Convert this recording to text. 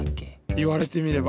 いわれてみれば。